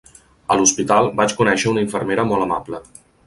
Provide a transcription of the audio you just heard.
A l'hospital, vaig conèixer una infermera molt amable.